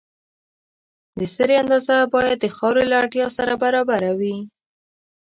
د سرې اندازه باید د خاورې له اړتیا سره برابره وي.